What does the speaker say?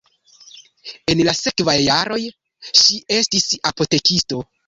En la sekvaj jaroj ŝi estis apotekisto.